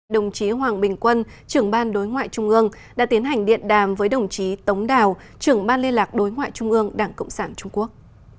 đồng chí hoàng bình quân trưởng ban đối ngoại trung ương đã tiến hành điện đàm với đồng chí tống đào trưởng ban liên lạc đối ngoại trung ương đảng cộng sản trung quốc